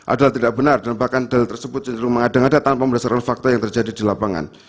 adalah tidak benar dan bahkan del tersebut cenderung mengada ngada tanpa berdasarkan fakta yang terjadi di lapangan